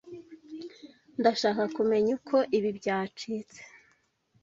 Ndashaka kumenya uko ibi byacitse.